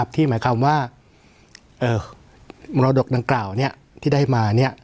ที่หมายความว่ามรดกดังกล่าวที่ได้มา